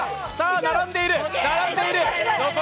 並んでいる、並んでいる。